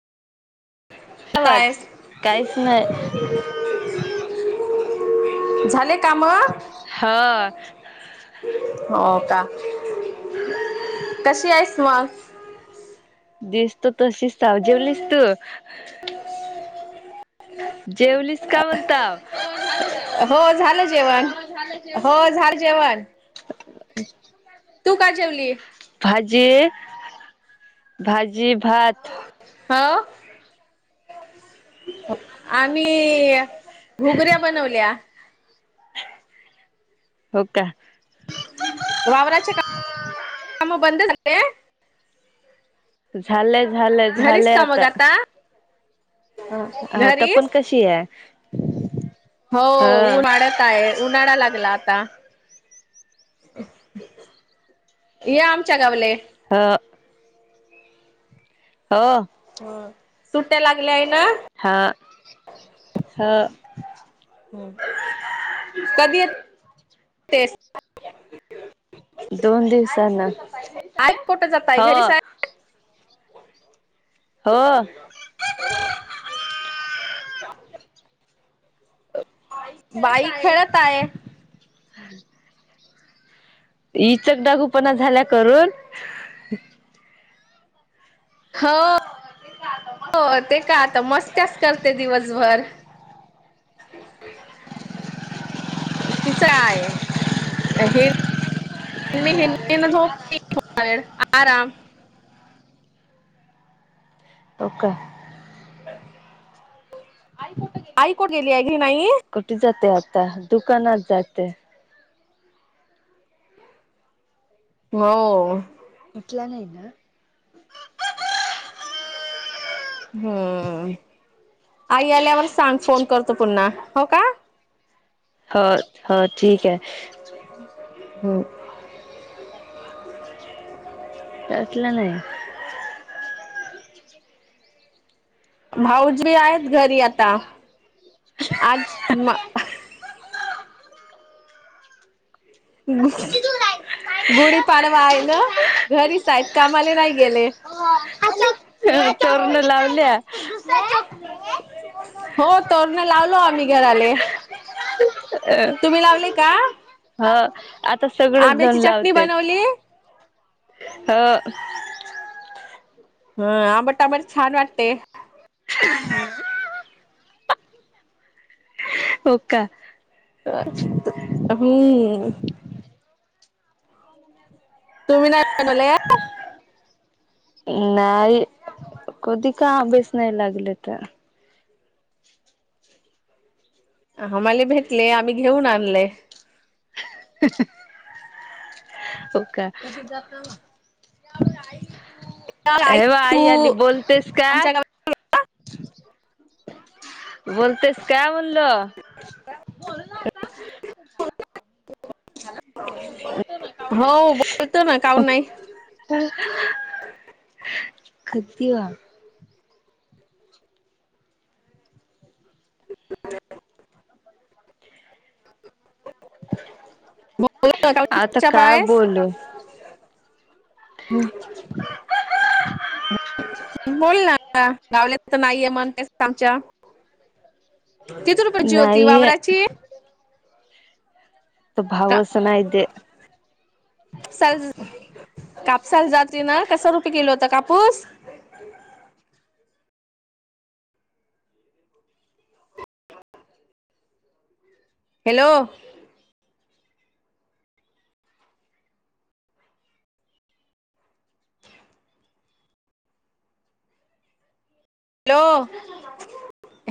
[inaudible] आवाज काय [inaudible] काहीच नाही [inaudible] झाले? काम हां [inaudible] हो का? [inaudible] कशी आहेस मॉग? दिसतो तशीस हाव. जीवलीस तु? जेवलीस का म्हणताव. हो झालं जेवन. हो झाल जेवन. [inaudible] [inaudible] तू काय जेवली? भाजी, भाजी भात. होअ [inaudible] आमीई घुगऱ्या बनवल्या. [inaudible] हो का? वावराचे का [inaudible] म बंद झाले? झालंय झालंय घरीच झालंय का मग आता. आता पन घरीच कशी आय? हो उम्हाडत आहे. उम्हाडा लागला आता. [inaudible] या आमच्या गावले. हंअ होओ हं, सुट्ट्या लागल्याय ना? हाआ ह [inaudible] कधी येत [inaudible] तेस? [inaudible] दोन दिवसांना ऐत कोटं जाताय हो घरी सा होओ? [inaudible] [inaudible] बाई खेळताय. इचकदागूपणा झाल्या करून होओ, हो ते का आता मस्त्यास करते दिवसभर- [inaudible] [inaudible] तिचंआय. हे मी हीन अनं झोप [inaudible] आराम [inaudible] आई कुठे गेलीय? आई कुठे इतं गेली आहे नाई? की नाही [inaudible] कुटे जाते आता, दुकानात जाते. होओ इटल्या नाई ना? हम्म, आई आल्यावर सांग फोन करतो पुन्हा. हो का? हो हो ठीक आहे ह्हअ हम्म. त्यातलां नाही. भाऊजी आहेत घरी आता. आज म [unintelligible] किती आहे गुढीपाडवा आहे ना घरीच आहेत कधच कामाला कामा नाही गेले [inaudible] तोरन लावल्या. हो तोरण लावलो आम्ही घराले. [unintelligible] अ तुम्ही लावले का हा आता सगळे जण आंब्याची चटणी लावते.. बनवली हं. हं आंबट, आंबट छान वाटते. हम. होका. हम्. तुम्ही नाही बनवले [inaudible] नाही. कधी काय आब्यास नाही लागलं तर आम्हाले भेटले आम्ही घेऊन आणले. [inaudible] होका. [inaudible] आई ए बा तू आई आली. बोलतेस का? आमच्या गावात बोलतेस का म्हणलो. [unintelligible] हो बोलतो ना काऊन हो बोलतो ना नाही काऊन नाही बोलणार. [inaudible] कितीवा [inaudible] [unintelligible] आता काय बोलू? [inaudible] हम्म. बोल ना आता, गावल्या तर नाहीये म्हणतेस आमच्या किती रुपयाची होती? नाही वावराची. का भावस नाही दे. कापसाला जाती ना, कसं रुपये किलो होता कापूस. हॅलो. हॅलो.